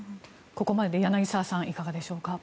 ここまで柳澤さんいかがですか？